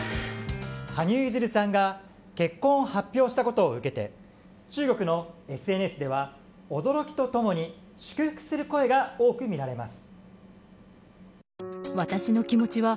羽生結弦さんが結婚を発表したことを受けて中国のＳＮＳでは、驚きと共に祝福する声が多く見られます。